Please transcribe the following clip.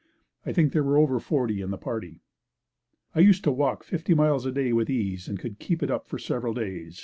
I think there were over forty in the party. I used to walk fifty miles a day with ease, and could keep it up for several days.